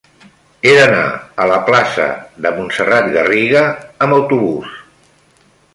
He d'anar a la plaça de Montserrat Garriga amb autobús.